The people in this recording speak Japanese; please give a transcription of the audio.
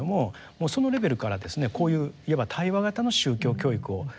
もうそのレベルからですねこういう対話型の宗教教育をしてるんですよね。